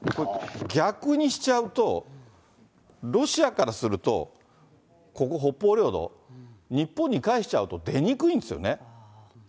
逆にしちゃうと、ロシアからするとここ、北方領土、日本に返しちゃうと出にくいんですよね。